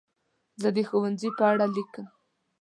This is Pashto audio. زه د ښوونځي په اړه لیکم.